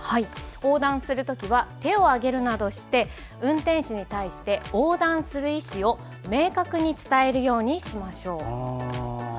「横断するときは手をあげるなどして運転手に対して横断する意思を明確に伝えるようにしましょう」。